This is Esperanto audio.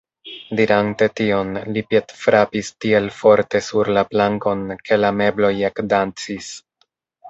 Dirante tion, li piedfrapis tiel forte sur la plankon, ke la mebloj ekdancis.